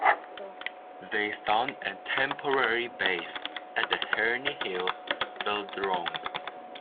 They found a temporary base at the Herne Hill Velodrome.